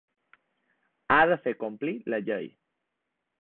Ha de fer complir la llei.